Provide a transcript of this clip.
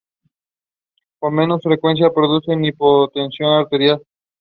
Su ámbito territorial se correspondía con la región de Extremadura.